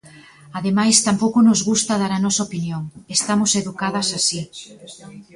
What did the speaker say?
Ademais tampouco nos gusta dar a nosa opinión, estamos educadas así.